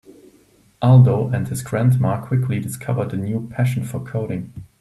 Aldo and his grandma quickly discovered a new passion for coding.